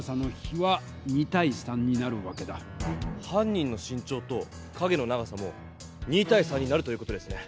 犯人の身長と影の長さも２対３になるという事ですね。